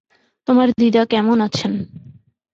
তোমার দিদা কেমন আছেন?